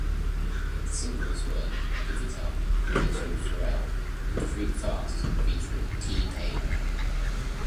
Its singles were "Give it Up" featuring Pharrell and "Creep Fast" featuring T-Pain.